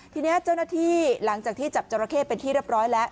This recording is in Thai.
ทีนี้เจ้าหน้าที่หลังจากที่จับจราเข้เป็นที่เรียบร้อยแล้ว